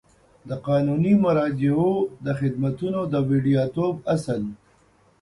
د قانوني مراجعو د خدمتونو د وړیاتوب اصل